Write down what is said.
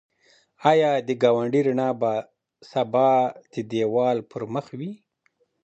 ایا د ګاونډي رڼا به سبا بیا د دېوال پر مخ وي؟